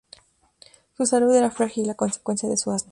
Su salud era frágil a consecuencia de su asma.